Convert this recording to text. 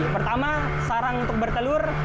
pertama sarang untuk bertelur